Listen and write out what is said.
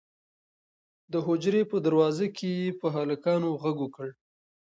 د حجرې په دروازه کې یې په هلکانو غږ وکړ.